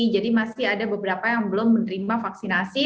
jadi masih ada beberapa yang belum menerima vaksinasi